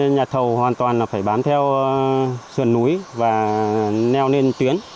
nhà thầu hoàn toàn phải bám theo sườn núi và neo lên tuyến